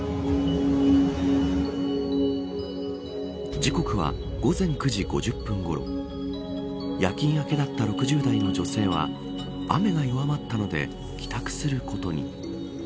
時刻は午前９時５０分ごろ夜勤明けだった６０代の女性は雨が弱まったので帰宅することに。